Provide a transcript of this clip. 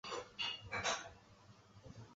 吕不韦在封地内铸行了文信圜钱。